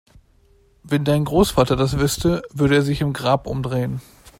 Wenn dein Großvater das wüsste, würde er sich im Grab umdrehen!